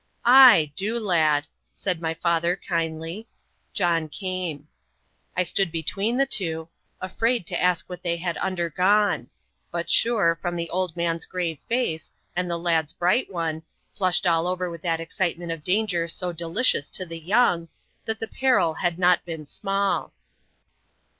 "Ay! do, lad," said my father, kindly. John came. I stood between the two afraid to ask what they had undergone; but sure, from the old man's grave face, and the lad's bright one flushed all over with that excitement of danger so delicious to the young that the peril had not been small.